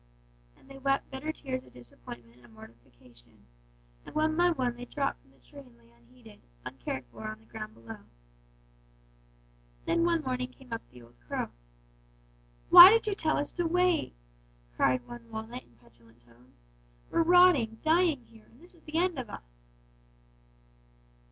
"And they wept bitter tears of disappointment and mortification; and one by one they dropped from the tree and lay unheeded, uncared for on the ground below. "Then one morning came up the old crow. "'Why did you tell us to wait?' cried one walnut in petulant tones. 'We're rotting, dying here, and this is the end of us.'